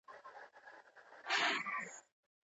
اسلامي شريعت طلاق ته مختلف قسمونه ايښي دي.